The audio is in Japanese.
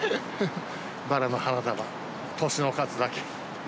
バラの花束、年の数だけ。